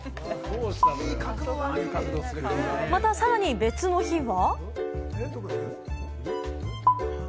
またさらに別の日は。